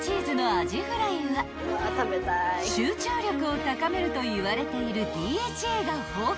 ［集中力を高めるといわれているＤＨＡが豊富］